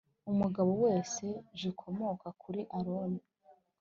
Umugabo wese j ukomoka kuri Aroni